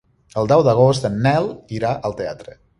El deu d'agost en Nel irà al teatre.